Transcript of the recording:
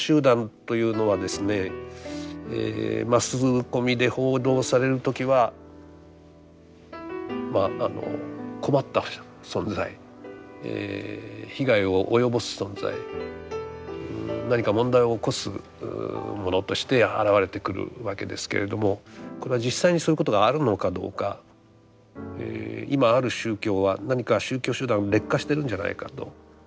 マスコミで報道される時はまああの困った存在被害を及ぼす存在何か問題を起こすものとして現れてくるわけですけれどもこれは実際にそういうことがあるのかどうか今ある宗教は何か宗教集団劣化しているんじゃないかと。